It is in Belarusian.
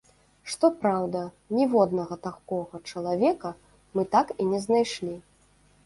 Што праўда, ніводнага такога чалавека, мы так і не знайшлі.